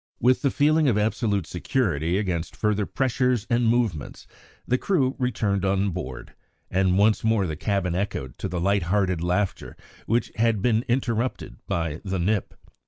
With a feeling of absolute security against further pressures and movements, the crew returned on board, and once more the cabin echoed to the light hearted laughter which had been interrupted by the "nip."